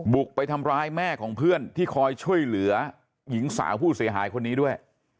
บุกไปทำร้ายแม่ของเพื่อนที่คอยช่วยเหลือหญิงสาวผู้เสียหายคนนี้ด้วย